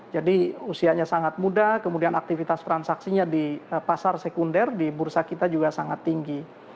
jadi usianya sangat muda kemudian aktivitas transaksinya di pasar sekunder di bursa kita juga sangat tinggi